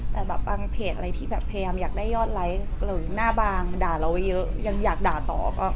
แต่แบบบางเพจอะไรที่แบบพยายามอยากได้ยอดไลค์หรือหน้าบางด่าเราไว้เยอะยังอยากด่าต่อ